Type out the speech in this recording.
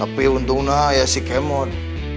tapi untungnya ya si kemon